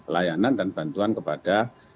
layanan dan bantuan kepada